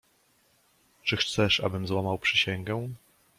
"Czy chcesz, abym złamał przysięgę?"